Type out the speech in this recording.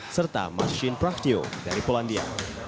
serta marcin prahtio dari polandia